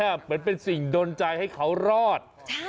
เหมือนเป็นสิ่งดนใจให้เขารอด